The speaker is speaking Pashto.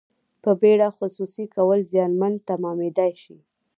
په بیړه خصوصي کول زیانمن تمامیدای شي.